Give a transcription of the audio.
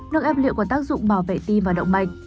nước ép lựu có tác dụng bảo vệ tim và động mạnh